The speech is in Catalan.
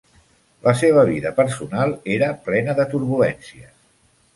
La seva vida personal era plena de turbulències.